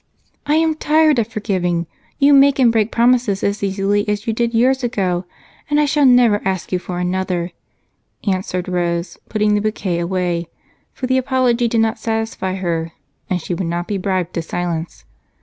"I am tired of forgiving! You make and break promises as easily as you did years ago, and I shall never ask you for another," answered Rose, putting the bouquet away, for the apology did not satisfy her and she would not be bribed to silence.